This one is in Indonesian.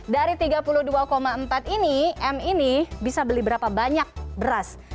dari tiga puluh dua empat ini m ini bisa beli berapa banyak beras